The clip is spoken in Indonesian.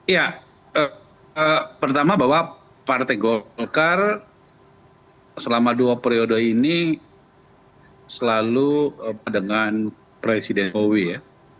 ya pertama bahwa partai golkar selama dua periode ini selalu dengan presiden owi ya